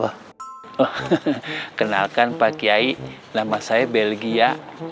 wah kenalkan pak kiai nama saya belgia